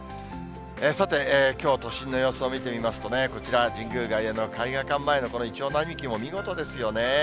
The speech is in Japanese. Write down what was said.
さて、きょう都心の様子を見てみますとね、こちら、神宮外苑の絵画館前のこのイチョウ並木も見事ですよね。